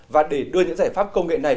và để đưa những giải pháp công nghệ này